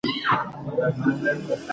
ښځي هم شیریني ورکړله محکمه